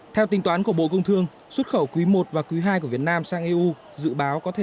theo tính toán của bộ công thương xuất khẩu quý i và quý ii của việt nam sang eu dự báo có thể